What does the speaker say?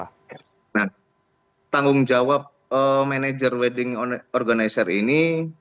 nah tanggung jawab manajer wedding organizer ini